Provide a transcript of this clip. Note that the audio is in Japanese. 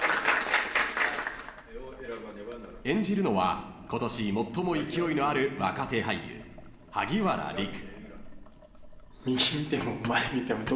［演じるのは今年最も勢いのある若手俳優萩原利久］